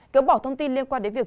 kéo bỏ thông tin liên quan đến việc